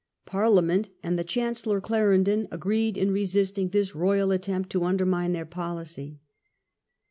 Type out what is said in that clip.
Par liament and the Chancellor Clarendon agreed in resisting this royal attempt to undermine their policy.